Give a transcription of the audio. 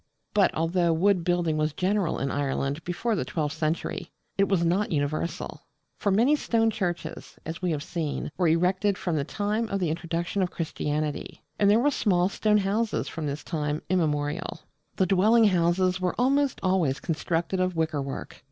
But although wood building was general in Ireland before the twelfth century, it was not universal: for many stone churches, as we have seen, were erected from the time of the introduction of Christianity; and there were small stone houses from time immemorial. The dwelling houses were almost always constructed of Wickerwork.